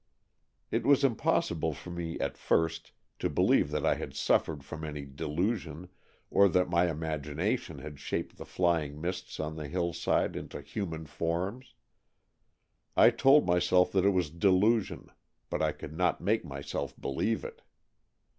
It was impossible for me at first to believe that I had suffered from any delusion, or that my imagination had shaped the flying mists on the hill side into human forms. I told myself that it was delusion, but I could not make myself believe it.